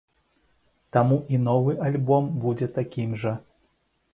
Таму і новы альбом будзе такім жа.